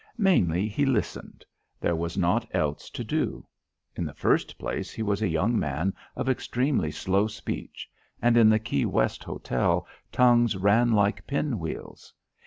Mainly he listened; there was nought else to do. In the first place he was a young man of extremely slow speech and in the Key West Hotel tongues ran like pin wheels.